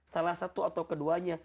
salah satu atau keduanya